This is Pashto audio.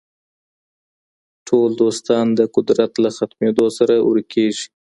ټول دوستان د قدرت له ختمیدو سره ورک کیږي.